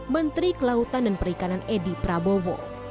menteri kelautan dan perikanan edi prabowo